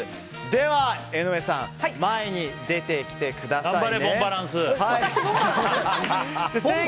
では、江上さん前に出てきてください。